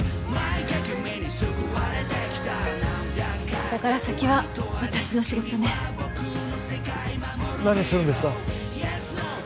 ここから先は私の仕事ね何するんですか？